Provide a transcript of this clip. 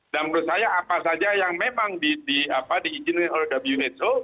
menurut saya apa saja yang memang diizinkan oleh wnaco